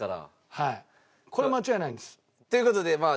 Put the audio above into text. はいこれは間違いないんです。という事でまあ